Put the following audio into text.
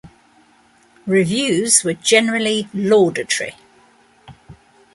Reviews were generally laudatory.